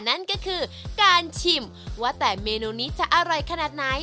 นั่นก็คือการชิมว่าแต่เมนูนี้จะอร่อยขนาดไหน